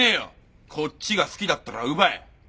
こっちが好きだったら奪え。